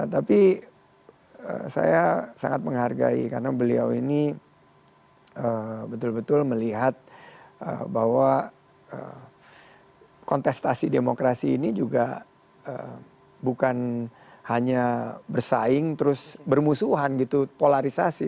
tapi saya sangat menghargai karena beliau ini betul betul melihat bahwa kontestasi demokrasi ini juga bukan hanya bersaing terus bermusuhan gitu polarisasi